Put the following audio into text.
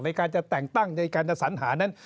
ในการจะแต่งตั้งในการจะสัญหานั้น